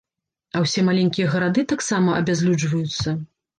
А ўсе маленькія гарады таксама абязлюджваюцца.